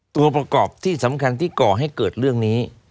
ตัวประกอบที่สำคัญที่ก่อให้เกิดเรื่องนี้